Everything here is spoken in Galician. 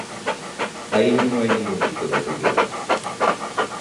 Aí non hai ningún tipo de dúbida.